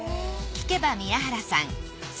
聞けば宮原さん